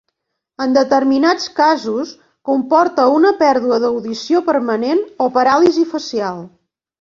En determinats casos, comporta una pèrdua d'audició permanent o paràlisi facial.